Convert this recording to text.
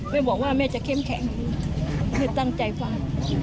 แม่บอกว่าแม่จะเข้มแข็งคือตั้งใจฟัง